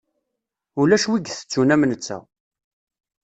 Ulac wi itettun am netta.